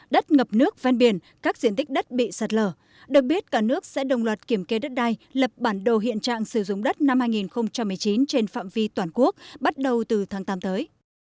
đất ngập nước ven biển các diện tích đất bị sạt lở được biết cả nước sẽ đồng loạt kiểm kê đất đai lập bản đồ hiện trạng sử dụng đất năm hai nghìn một mươi chín trên phạm vi toàn quốc bắt đầu từ tháng tám tới